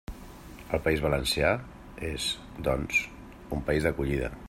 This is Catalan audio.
El País Valencià és, doncs, un país d'acollida.